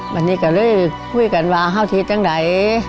วันนี้ก็เลยคุยกันว่าคราวนี้จั้งไหน